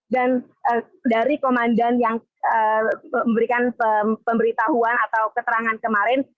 dan dari komandan yang memberikan pemberitahuan atau keterangan kemarin